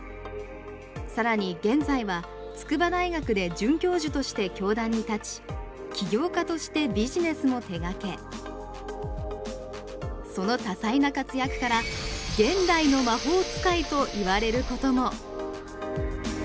更に現在は筑波大学で准教授として教壇に立ち起業家としてビジネスも手がけその多才な活躍から現代の魔法使いと言われることも。